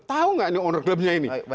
tahu nggak ini owner klubnya ini